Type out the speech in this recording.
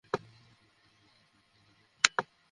সোজা মূল বিষয়ে আসি আমি।